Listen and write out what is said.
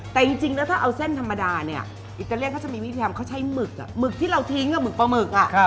แต่จริงแล้วถ้าเอาเส้นธรรมดาเนี่ยอิตาเลียนเขาจะมีวิธีทำเขาใช้หมึกหมึกที่เราทิ้งหมึกปลาหมึก